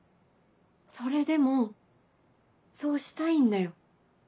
それでもそうしたいんだよ。